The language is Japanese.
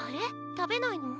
たべないの？